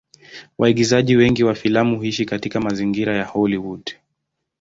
Waigizaji wengi wa filamu huishi katika mazingira ya Hollywood.